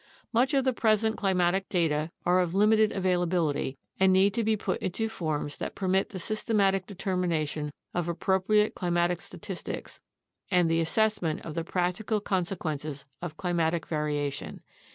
Much of the present climatic data are of limited availability and need to put into forms that permit the systematic determination of appropriate climatic statistics and the assessment of the practical consequences of climatic variation.